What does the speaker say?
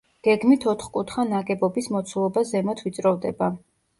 გეგმით ოთხკუთხა ნაგებობის მოცულობა ზემოთ ვიწროვდება.